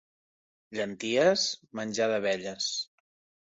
Llenties? Menjar de velles.